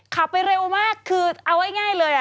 ขับไปเร็วมากคือเอาง่ายเลย